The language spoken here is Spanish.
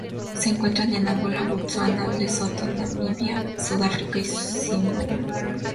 Se encuentra en Angola, Botsuana, Lesoto, Namibia, Sudáfrica y Zimbabue.